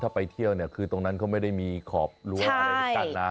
ถ้าไปเที่ยวคือตรงนั้นก็ไม่ได้มีขอบรัวอะไรกันนะ